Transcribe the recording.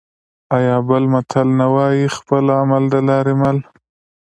آیا بل متل نه وايي: خپل عمل د لارې مل؟